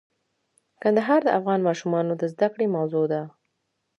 کندهار د افغان ماشومانو د زده کړې موضوع ده.